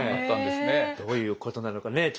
どういうことなのかね